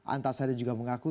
antasari juga mengaku